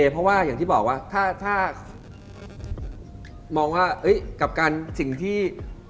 เพราะว่าอย่างที่บอกว่าถ้ามองว่ากับการสิ่งที่